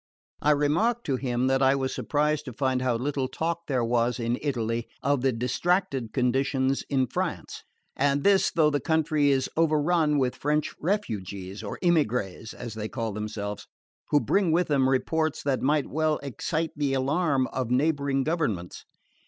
I remarked to him that I was surprised to find how little talk there was in Italy of the distracted conditions in France; and this though the country is overrun with French refugees, or emigres, as they call themselves, who bring with them reports that might well excite the alarm of neighbouring governments.